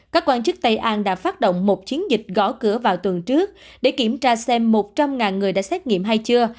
các quan chức tây an đã phát động một chiến dịch gõ cửa vào tuần trước để kiểm tra xem một trăm linh người đã xét nghiệm hay chưa